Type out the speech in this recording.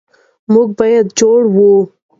موږ به جوړوو.